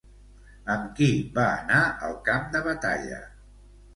Amb qui va anar al camp de batalla?